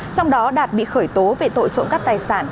trong đó đạt bị khởi tố về tội trộm cắp tài sản